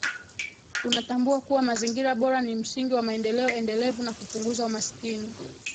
Unatambua kuwa mazingira bora ni msingi wa maendeleo endelevu na kupunguza umaskini